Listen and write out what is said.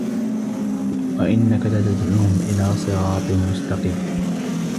وإنك لتدعوهم إلى صراط مستقيم